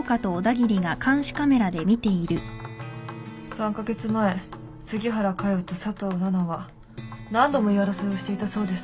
３カ月前杉原佳代と佐藤奈々は何度も言い争いをしていたそうです。